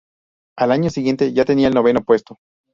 Al año siguiente ya tenía el noveno puesto.